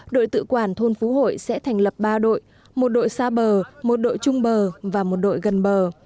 đội tự quản thôn phú hội sẽ thành lập ba đội một đội xa bờ một đội trung bờ và một đội gần bờ